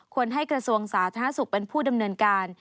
ให้กระทรวงสาธารณสุขเป็นผู้ดำเนินการ